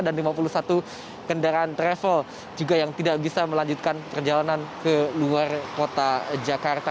dan lima puluh satu kendaraan travel juga yang tidak bisa melanjutkan perjalanan ke luar kota jakarta